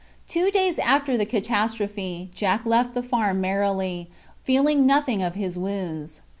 Two days after the catastrophe Jack left the farm merily, feeling nothing of his wounds.